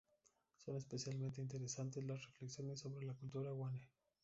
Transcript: Son especialmente interesantes las reflexiones sobra la Cultura Guane.